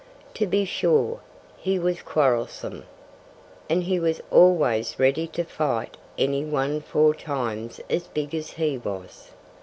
To be sure, he was quarrelsome. And he was always ready to fight any one four times as big as he was.